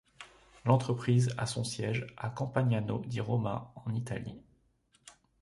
L'entreprise a son siège à Campagnano di Roma en Italie.